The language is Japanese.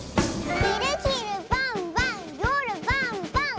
「ひるひるばんばんよるばんばん！」